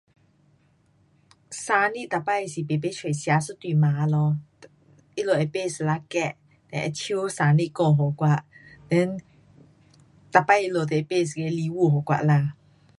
生日每次是排排出吃一顿饭咯。um 他们会买一粒 cake 也会唱生日歌给我，then 每次他们也会买一个礼物给我啦。